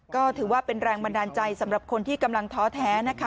ก็ถือว่าเป็นแรงบันดาลใจสำหรับคนที่กำลังท้อแท้นะคะ